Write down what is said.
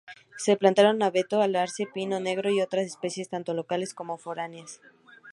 Se plantaron abeto, alerce, pino negro y otras especies tanto locales como foráneas.